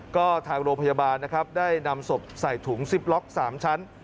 ก็ทางโรงพยาบาลนะครับได้นำศพใส่ถุงซิปล็อก๓ชั้น